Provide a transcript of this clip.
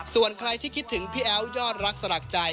ส่วนใครที่คิดถึงพี่แอ๋วยอดรักสลักใจ